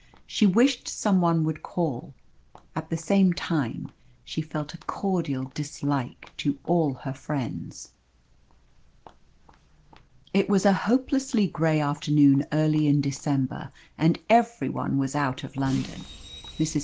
She wished someone would call. At the same time she felt a cordial dislike to all her friends. It was a hopelessly grey afternoon early in December, and every one was out of London. Mrs.